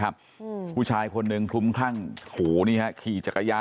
เคี่ยจังกัดห่วงมีดแห่มของเขา